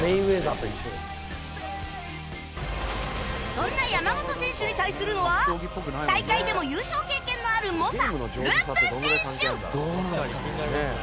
そんな山本選手に対するのは大会でも優勝経験のある猛者 Ｌｕｐ 選手